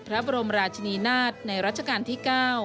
พระบรมราชนีนาฏในรัชกาลที่๙